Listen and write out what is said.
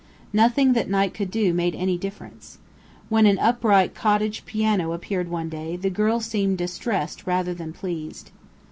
Nothing that Knight could do made any difference. When an upright cottage piano appeared one day, the girl seemed distressed rather than pleased.